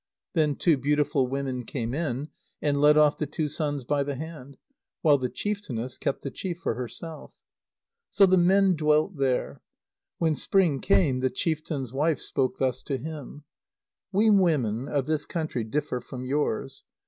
Then two beautiful women came in, and led off the two sons by the hand, while the chieftainess kept the chief for herself. So the men dwelt there. When spring came, the chieftain's wife spoke thus to him: "We women of this country differ from yours.